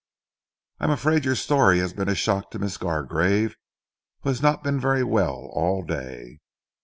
"I am afraid your story has been a shock to Miss Gargarve, who has not been very well all day.